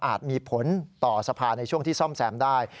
มีผลต่อสภาในช่วงที่ซ่อมแซมได้